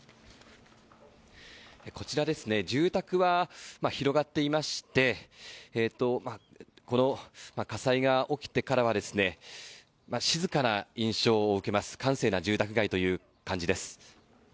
こちら、住宅は広がっていましてこの火災が起きてからは静かな印象を受けます、閑静な住宅街という感じです。